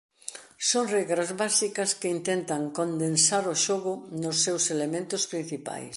Son regras básicas que intentan condensar o xogo nos seus elementos principais.